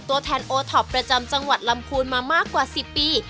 ตัวแทนโอท็อปประจำจังหวัดลำพูนมามากกว่า๑๐ปี